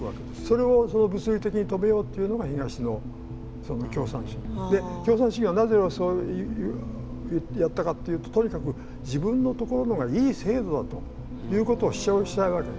それをその物理的に止めようっていうのが東の共産主義。で共産主義はなぜそういうやったかっていうととにかく自分のところのがいい制度だということを主張したいわけ。